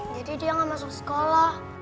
jadi dia gak masuk sekolah